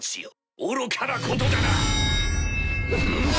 愚かなことだな！